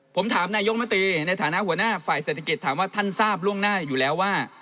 ผมถามนายกมตรีในฐานะหัวหน้าฝ่ายเศรษฐกิจถามว่าท่านทราบล่วงหน้าอยู่แล้วว่า